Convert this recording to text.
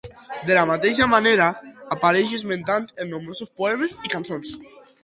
De la mateixa manera apareix esmentat en nombrosos poemes i cançons.